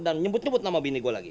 dan nyebut nyebut nama bini gua lagi